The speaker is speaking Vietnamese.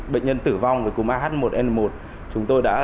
bệnh nhân tử vong với cúm ah một n một